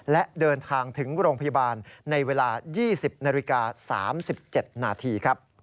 และเดินทางถึงโรงพยาบาลในเวลา๒๐นาฬิกา๓๗นาที